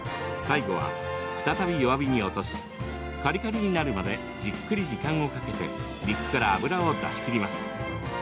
最後は再び弱火に落としカリカリになるまでじっくり時間をかけて肉から脂を出しきります。